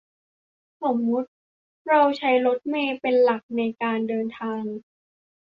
สมมติเราใช้รถเมล์เป็นหลักในการเดินทาง